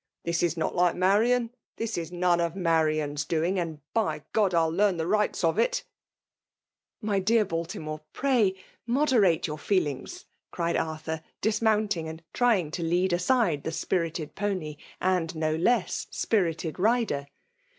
"This is not like Marian, — this is none of Marian's dcnng, — and, by God, V\\ learn th9 rights of it r *'My dear Baltimore, pray moderate your feelings," cried Arthur, dismounting, and try« ing to lead aside the spirited pony, and n,o less spirited rider.